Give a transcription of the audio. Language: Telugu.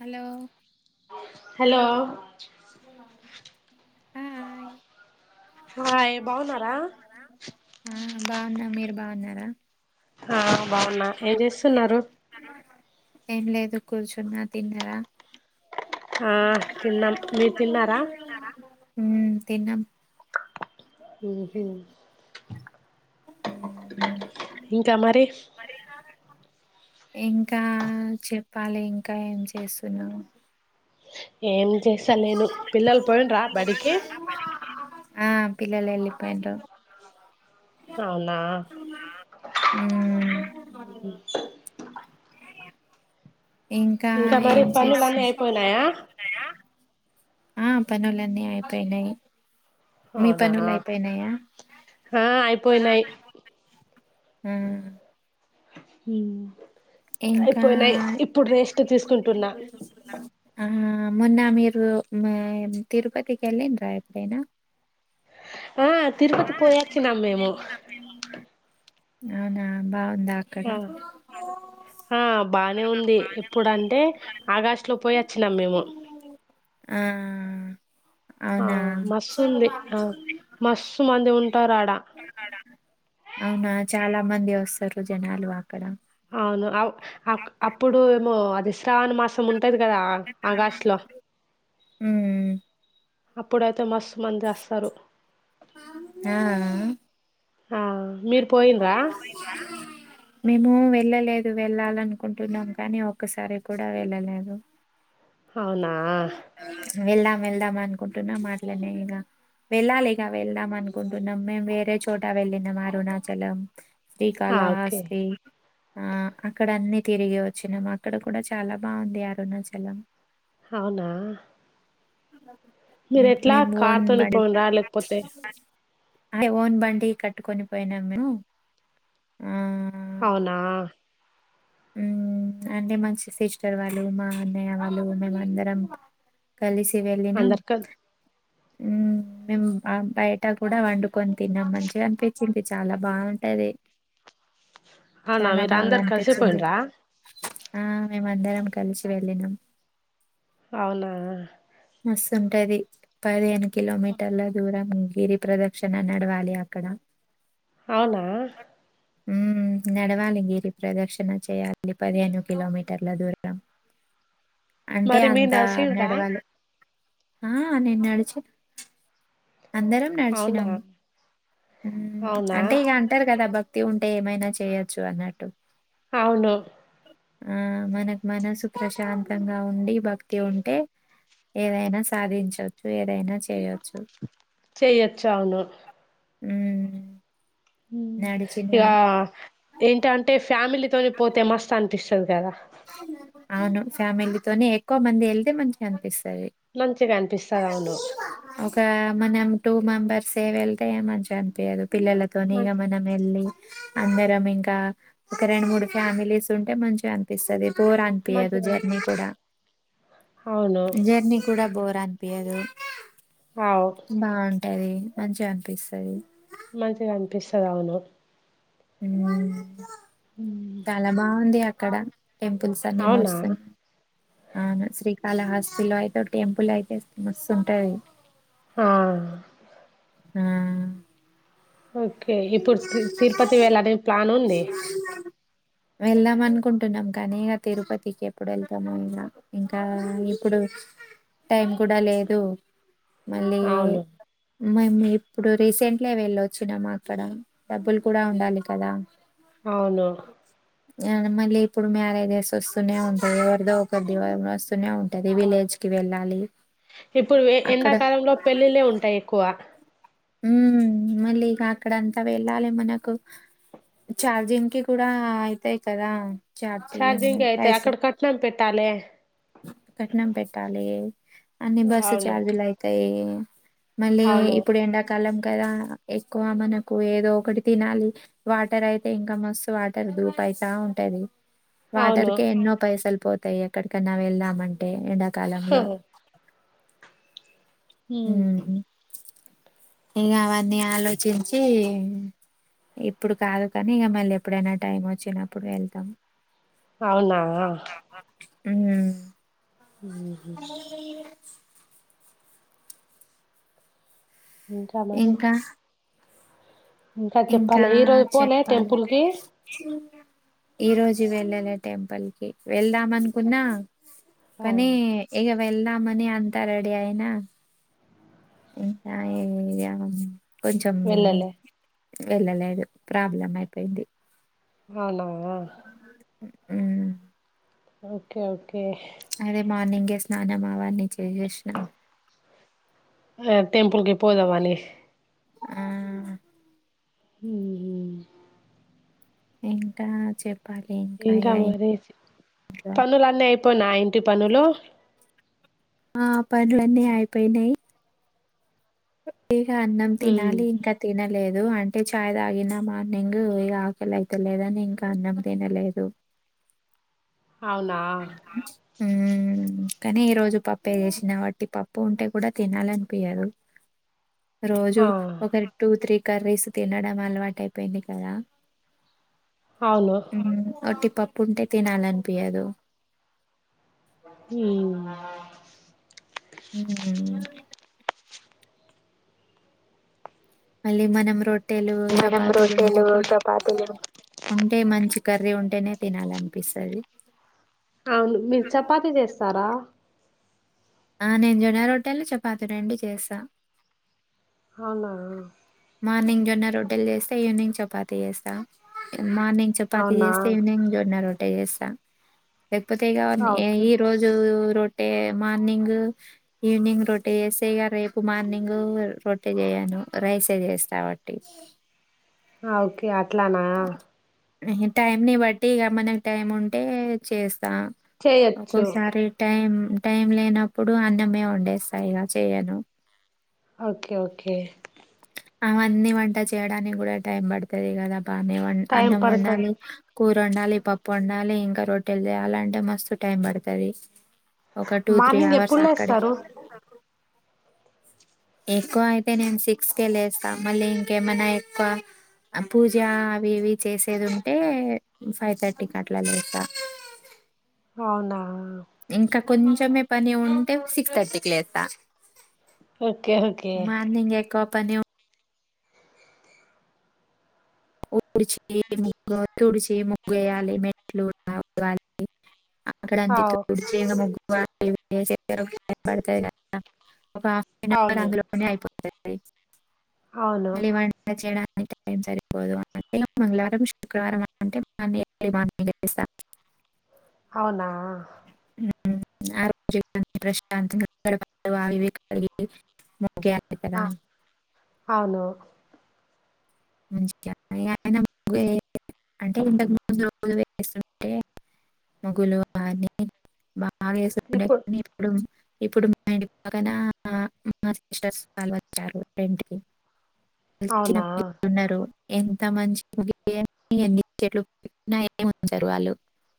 హలో హలో హ హాయ్ హాయ్ బాగున్నారా ఆ బాగున్న మీరు బాగున్నారా ఆ బాగున్నా ఏం చేస్తున్నారు ఏం లేదు కూర్చున్నా తిన్నరా ఆ తిన్నాం మీరు తిన్నారా ఉమ్ తిన్నాం మ్మ్ హ్మ్ మ్మ్ ఇంకా మరి ఇంకా చెప్పాలి ఇంకా ఏం చేస్తున్నావు ఏం చేస్తా నేను పిల్లలు పోయిడ్రా బడికి ఆ పిల్లలేల్లిపోయిండ్రు అవునా మ్మ్ ఇంకా మరి ఏం పనులన్నీ చేస్తుం అయిపోయినాయా అ ఆ పనులన్నీ అయిపోయినయ్ అవునా ఆ అయిపోయినయి్ ఆ మ్మ్ ఇంకా అయిపోయినయ్ ఇప్పుడు రెస్ట్ తీసుకుంటున్నా ఆ మొన్న మీరు తిరుపతికి వెళ్లిండ్రా అయితే ఆ తరుపతి పోయాచ్చినం మేము అవునా బా ఆ ఆ బానే ఉంది ఎప్పుడంటే ఆగష్టు లో పోయి అచ్చినాం మేము ఆ ఆ అవునా మస్తుంది ఆ మస్ మంది ఉంటారు అడా అవునా చాలా మంది వస్తరు జనాలు అక్కడ అవును అవ్ అప్పుడు ఏమో సావన్ మాసం ఉంటది కదా ఆగాస్టు లో ఉమ్ అప్పుడు అంత మస్తు మంది చేస్తారు ఆ ఆ మీరు పోయిండ్రా మేము వెళ్ళలేదు వెళ్ళాలనుకుంటున్నాం కానీ ఒక్కసారి కూడా వెళ్ళలేదు అవునా వెళ్దాం వెళ్దాం అనుకుంటున్నా మాట్లనే ఇక వెళ్ళాలి ఇక వెళ్దాం అనుకుంటున్నాం మేము వేరే చోట వెళ్ళినం అరుణాచలం ఆ శ్రీకాళ ఓకే హస్తి ఆ అక్కడ అన్నిీ తిరిగి వచ్చినాము అక్కడ కూడా చాలా బాగుంది అరుణాచలం అవునా ఉ మీరు ఎట్లా కార్తోని పోవం రాలేకపోతే అదే ఓన్ బండి కట్టుకొని పోయినాం మేము ఆ అవునా ఊ అంటే మంచి సిస్టర్ వాళ్ళు మా అన్నయ్య వాళ్ళు మేమ అందరం కలిసి వెళ్ళినామ్ అందరు కల్ ఊ మేము బయట కూడా వండుకొని తిన్నాం మంచిగా అనిపించింది చాలా బాగుంటది అవునా మీరు అందరు కలిసి పోయిండ్రా ఆ మేము అందరం కలిసి వెళ్ళినం అవునా మాస్తుంటది పదిను కిలోమీటర్ ల దూరం ఉ గిరి ప్రదక్షణ నడవాలి అక్కడ అవునా ఉ నడవాలి గిరి ప్రదక్షిణ చేయ్యాలి పదిహేను కిలోమీటర్ల దూరం అంటే మరి మీరు అంత నడిసిండ్రా నడవాలి ఆ నేను నడిచా అందరం అవునా నడిచినాం అవునా అంటే ఇక అంటారు కదాబ్బా బక్తి ఉంటే ఏమైనా చేయొచ్చు అన్నట్టు అవును ఆ మనకు మనసు ప్రశాంతంగా ఉండి భక్తి ఉంటే ఏదైనా సాధించవచ్చు ఏదైనా చేయొ చేయొచ్చు అవును ఊ ఇక ఏంటంటే ఫ్యామిలీ తొనిపోతే మస్తు అనిపిస్తుంది కదా అవును ఫ్యామిలీతోనే ఎక్కువ మంది వెళ్తే మంచిగా అనిపిస్తుంది మంచిగా అనిపిస్తది సరే అవును ఒక మనము టూ మెంబర్స్ ఏ వెళ్తే ఏ మంచిగా అనిపియ్యదు పిల్లలతోనే ఇగ మంచి మన వెళ్ళి అందరం ఇంకా ఒక రెండు మూడు ఫ్యామిలీస్ ఉంటే మంచిగా అన్ పిస్తది బోర్ అనిపియ్యదు మంచిగా అనిపి జర్నీ కూడా అవును జర్నీ కూడా బోర్ అనిపియ్యదు అవు ఉంటది మంచిగా అనిపిస్తది. మంచిగా అనిపిస్తది అవును. ఉమ్మ్. హ్మ్ చాలా బాగుంది అ అక్కడ. టెంపుల్స్ అన్ని అవునా మస్తున్నాయి. అవును శ్రీకాళహస్తి లో అయితే ఒక టెంపుల్ అయితే మస్తు ఉంటాది. ఆహ్ ఆహ్ ఓకే ఇప్పుడు తి తిరుపతి వెళ్లాలని ప్లాన్ ఉంది. వెళ్దాం అనుకుంటున్నాం కానీ ఇగ తిరుపతికి ఎప్పుడు వెళ్తామో ఇంక. ఇంకా ఇప్పుడు టైం కూడా లేదు. మళ్ళీ. అవును మేము ఇప్పుడు రీసెంట్లే వెళ్ళొచ్చినము అక్. అక్కడ డబ్బులు కూడా ఉండాలి కదా. అవును. యా మళ్ళీ ఇప్పుడు మ్యారేజెస్ వస్తూనే ఉంటాయి. ఎవరిదో ఒకరిది వస్తూనే ఉంటది విలేజ్ కి వెళ్ళాలి. ఇప్పుడు అక్కడ ఎండాకాలంలో పెళ్ళిళ్లే ఉంటాయి ఎక్కువ. ఉమ్మ్ మళ్ళీ ఇక అక్కడ అంతా వెళ్ళాలి మనకు చార్జింగ్ కి కూడా అయితాయి కదా. ఛార్జీంగ్ ఛార్జింగ్ అయితే పైస్ అక్కడ కట్నం పెట్టాలే కట్నం పెట్టాలి. అన్ని బస్సు అవును చార్జీలు అయితాయి. మళ్ళీ అవును ఇప్పుడు ఎండా. స్థలం కదా ఎక్కువ మనకు ఏదో ఒకటి తినాలి. వాటర్ అయితే ఇంకా మస్తు వాటర్ ధూపా అయితా ఉంటది. వాటర్ అవును కే ఎన్నో పైసలు. పోతాయి ఎక్కడికన్నా వెళ్దామంటే. ఎండాకాలంలో. ఉమ్మ్. ఉమ్ ఇగ అవన్నీ ఆలోచించి ఇప్పుడు కాదు కానీ ఇంక మళ్ళీ ఎప్పుడైనా టైం వచ్చినప్పుడు వెళ్తాము. అవునా. ఉమ్ ఊహు అ ఇంకా మరి. ఇంకా చెప్పాలి ఈ రోజు పోలే చెప్పాలి. టెంపుల్ కి ఈ రోజు వెళ్ళాలే టెంపుల్ కి వెళ్దాం అనుకున్నా. ఆ కానీ ఏయల్. వెళ్దామని అంతారెడి అయినా. ఇకా ఏ కొంచెం వెళ్ళలే వెళ్ళలేదు ప్రాబ్లం అయిపోయింది అవునా మ్మ్ ఓకే ఓకే కే మార్నింగే ఏ స్నానంమావాని ని జేసేసినా ఆ టెంపుల్కి పోదమానేసి ఆ మ్మ్ ఇంకా చెప్ ఇంకా మరసి ఇంట్లో పనులు అన్నీ నయ ఇంటి పనులు ఆ పనులన్నీ అయిపోయినాయి [inaudible] ఇగా అన్నం ఉమ్. తినాలి ఇంకా తినాలి లేదు అంటే ఛాయ్ తాగినా మార్నింగ్ ఇగా ఆకలి అయితేలేదని ఇంకా అన్నం తినలేదు. అవునా మ్మ్ కానీ ఈ రోజు పప్పు పే చేసిన కాబట్టి పోంటే కూడా తినాలనిపియదు రోజు ఆ ఒకరి టూ త్రీ కర్రీస్ తినడం అలవాటు అయిపోయింది కదా అవును హ్మ ఓటి పప్పు ఉంటే తినాలనిపియదు మ్మ్ నా మ్మ్ మళ్ళీ మనం రో టెలు మనం చపాతీలు ఉంటే రొట్టెలు కూడా చపాతీలు అంటే మంచి కర్రీ ఉంటేనే తినాలనిపిస్తది అవును మీరు చపాతి చేస్తారా ఆ నేను జొన్న రొట్టెలు చపాతి రెండు చేస్తా అవునా మార్నింగ్ జొన్న రో రొట్టెల్ చేస్తా ఈవినింగ్ చపాతి చేస్తా మార్నింగ్ చపాతి అవునా చేస్తే ఈవినింగ్ జోన్న రో అట్ట జేస లేకపోతే ఇగ ఆ, ఓకే ఈ రోజు రోటే మా మార్నింగ్ ఈవినింగ్ రోటీ చేస్తే రేపు మార్నింగ్ రోటీ చేయను రైసే చేస్తా వట్టి ఆ ఓకే అట్లానా టైం ని బట్టి ఇగ మనకి టైం ఉంటే చేస్తా ఆ చేయొచ్చు ఒక్కోసారి టైమ్ టైమ్ లేనప్పుడు అన్నమే వండేస్తా ఇగ చేయను ఓకే ఓకే అవన్నీ వంట చేయడానికి కూడా టైం పడుతది గదా అన్ని వాన్ టైం అన్నం వండాలి పడుతది వండాలి పప్పు వండాలి ఇంకా రొట్టెలు చేయాలంటే మస్తు టైం పడతది టూ త్రీ మార్నింగ్ అవర్స్ ఎప్పుడు అక్కడే లేస్తారు ఎక్కువ అయితే నేను సిక్స్ కే లేస్తా మళ్ళీ ఇంకేమైనా ఎక్కువ పూజ అవి ఇవి చేసేది ఉంటే ఫైవ్ థర్టీకి అట్లా లేస్తా అవునా ఇంకా కొంచెమే పని ఉంటే సిక్స్ థర్టీ కి లేస్తా ఓకే ఓకే మార్నింగ్ ఎక్కువ పని ఉడిచి ముగ్గు తుడిచి ముగ్గేయాలి మెట్లు కూడా తూడువాలి ఆక్కడ అంత అవు తుడిచి ముగ్ వా పడతాయి కదా ఒక హాఫ్ అన్ అవర్ అవును అందులోనే అయిపో సరే అవును మళ్లీ వంట చేయాలి [unintelligible] బుధవారం అంటే మంగళవారం శుక్రవారం అంటే ఎర్లీ మార్నింగ్ లేస్తా అవునా ఆరోగ్య ప్రశాంత వివేగి [unintelligible] [unintelligible] గ్యారెంటీ కదా ఆ అవును [unintelligible] అంటే ఇంతకు ముందు రోజు వేస్తుంటే మగులు అని బ ఆవేష పడే అన్ని ఇప్పుడు ఇప్పుడు మా ఇంటి పక్కన మా సిస్టర్స్ వాళ్లు వచ్చారు రెంటికి అవునా తెలినప్పు ఉన్నారు [unintelligible] ఎంత మంచి ముగి ఏ ఎన్ని చెట్లు పెట్టిన ఏముంచరు వాళ్లు